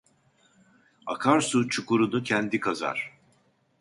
Akarsu çukurunu kendi kazar.